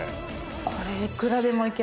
これいくらでもいけます。